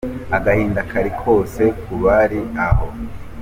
Agahinda kari kose ku bari aho.